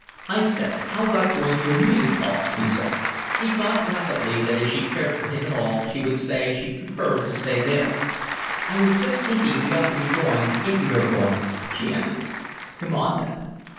"I say, how about going to a music hall?" he said. He thought rapidly that if she cared for him at all she would say she preferred to stay there. "I was just thinking we ought to be going if we are going," she answered. "Come on then."